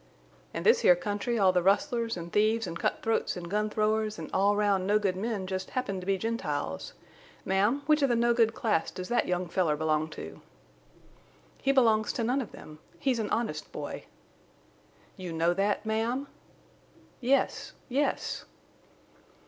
"In this here country all the rustlers an' thieves an' cut throats an' gun throwers an' all round no good men jest happen to be Gentiles. Ma'am, which of the no good class does that young feller belong to?" "He belongs to none of them. He's an honest boy." "You know that, ma'am?" "Yes—yes."